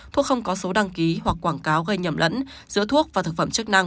thuốc không có số đăng ký hoặc quảng cáo gây nhầm lẫn giữa thuốc và thực phẩm chức năng